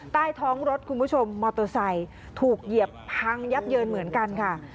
ใต้ท้องรถคุณผู้ชมมอเตอร์ไซค์ถูกเหยียบพังยับเยินเหมือนกันค่ะ